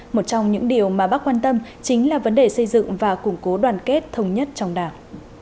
một trong những điều mà bác quan tâm chính là vấn đề xây dựng và củng cố đoàn kết thống nhất trong đảng